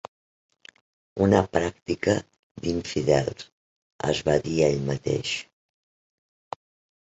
"Una pràctica d'infidels", es va dir a ell mateix.